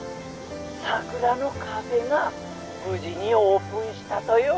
さくらのカフェが無事にオープンしたとよ。